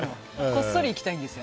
こっそり行きたいんです。